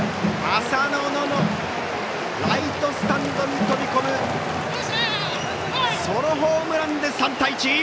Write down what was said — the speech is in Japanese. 浅野のライトスタンドに飛び込むソロホームランで３対１。